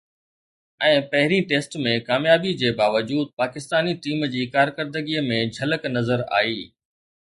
۽ پهرين ٽيسٽ ۾ ڪاميابي جي باوجود پاڪستاني ٽيم جي ڪارڪردگيءَ ۾ جھلڪ نظر آئي